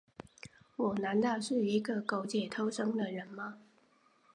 我难道是一个苟且偷生的人吗？